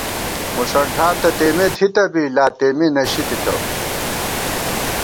مُݭنٹھان تہ تېمے تھِتہ بی لا تېمے نَشی نَتِتہ